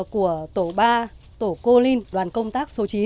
của tổ ba tổ cô linh đoàn công tác số chín